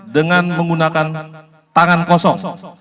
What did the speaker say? dengan menggunakan tangan kosong